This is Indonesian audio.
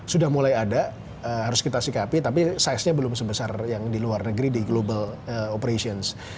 sudah mulai ada harus kita sikapi tapi size nya belum sebesar yang di luar negeri di global operations